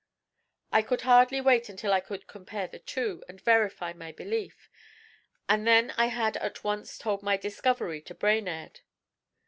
I could hardly wait until I could compare the two, and verify my belief, and then I had at once told my discovery to Brainerd.